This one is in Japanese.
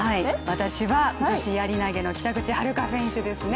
私は女子やり投の北口榛花選手ですね。